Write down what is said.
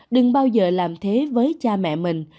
đừng bao giờ làm thế với cha mẹ mình